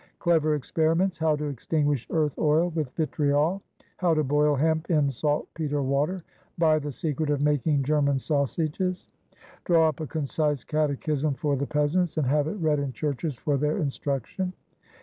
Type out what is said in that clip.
"Clever experiments: how to extinguish earth oil with vitriol." "How to boil hemp in saltpeter water." "Buy the secret of making German sausages." "Draw up a concise catechism for the peasants, and have it read in churches for their instruction."